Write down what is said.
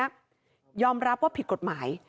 ยอมรับว่าผิดกฎหมาย